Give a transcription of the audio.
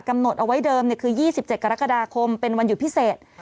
กำหนดเอาไว้เดิมคือ๒๗กรกฎาคมเป็นวันหยุดพิเศษ